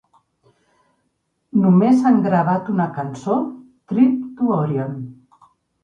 Només han gravat una cançó, "Trip to Orion".